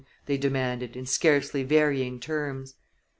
they demanded, in scarcely varying terms.